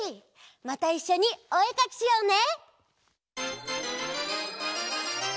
またいっしょにおえかきしようね！